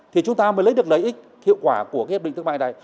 thì chúng ta mới lấy được lợi ích hiệu quả của cái hiệp định thương mại này